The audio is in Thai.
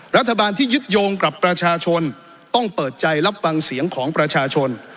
รัฐบาลที่ยึดโยงกับประชาชนต้องเปิดใจรับฟังเสียงของประชาชน